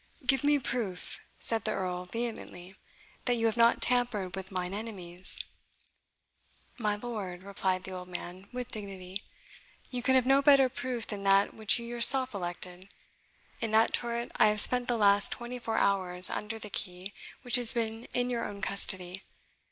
"Give me proof," said the Earl vehemently, "that you have not tampered with mine enemies." "My lord," replied the old man, with dignity, "you can have no better proof than that which you yourself elected. In that turret I have spent the last twenty four hours under the key which has been in your own custody.